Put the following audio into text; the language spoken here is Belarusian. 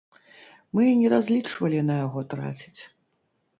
Мы не разлічвалі на яго траціць.